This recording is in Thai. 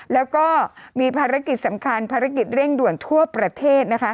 แล้วก็มีภารกิจสำคัญภารกิจเร่งด่วนทั่วประเทศ